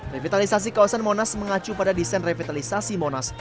revitalisasi kawasan monas mengacu pada desain revitalisasi monas